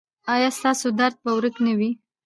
ایا ستاسو درد به ورک نه وي؟